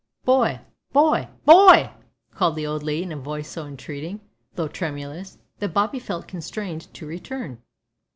"Boy, boy, boy!" called the old lady in a voice so entreating, though tremulous, that Bobby felt constrained to return.